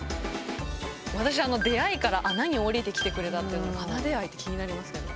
私「出会い」から「穴に下りてきてくれた」って穴出会いって気になりますね。